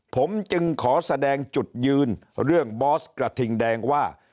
ผมจึงขอแสดงจุดยืนเรื่องบอสกระทิงแดงว่า